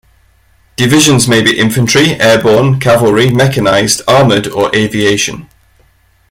Divisions may be infantry, airborne, cavalry, mechanized, armoured or aviation.